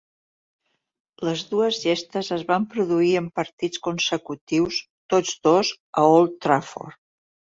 Les dues gestes es van produir en partits consecutius, tots dos a Old Trafford.